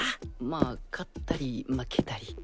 まぁ勝ったり負けたり。